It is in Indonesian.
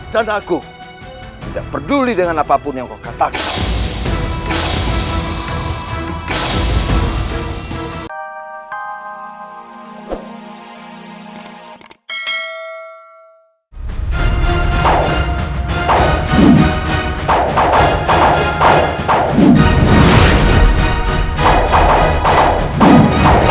dan aku tidak peduli dengan apapun yang kau katakan